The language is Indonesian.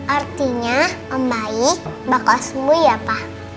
artinya membaik bakal sembuh ya pak